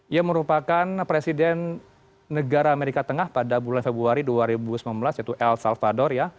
ia merupakan presiden negara amerika tengah pada bulan februari dua ribu sembilan belas yaitu el salvador ya